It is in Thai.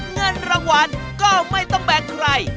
เงินรางวัลก็ไม่ต้องแบ่งใคร